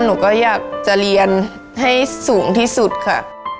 หนูก็อยากจะเรียนให้สูงที่สุดค่ะ